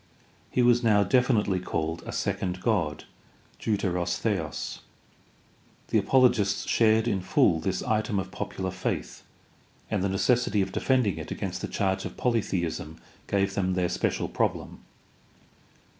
He was now definitely called a Second God (Seurepos debs). The apologists shared in full this item of popular faith, and the necessity of defending it against the charge of polytheism gave them their special problem.